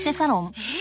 えっ？